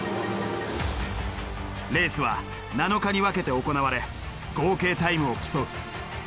レースは７日に分けて行われ合計タイムを競う。